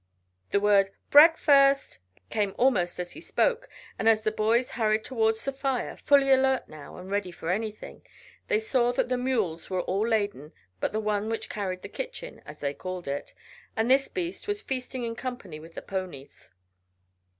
The word "Breakfast!" came almost as he spoke, and as the boys hurried towards the fire, fully alert now and ready for anything, they saw that the mules were all laden but the one which carried the kitchen, as they called it, and this beast was feasting in company with the ponies.